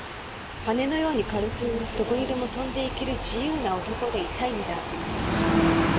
「羽のように軽くどこにでも飛んでいける」「自由な男でいたいんだ」